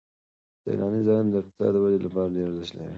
سیلاني ځایونه د اقتصادي ودې لپاره ډېر ارزښت لري.